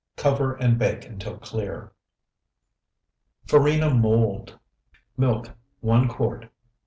Cover and bake until clear. FARINA MOLD Milk, 1 quart.